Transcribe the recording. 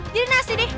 jadi nasi deh